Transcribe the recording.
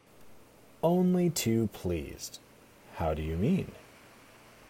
Only too pleased. How do you mean?